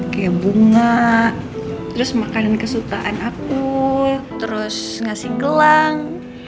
kayak bunga terus makanan kesukaan aku terus ngasih gelang